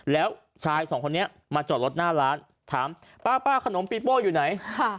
แล้วชายสองคนนี้มาจอดรถหน้าร้านถามป้าขนมปีโป้อยู่ไหน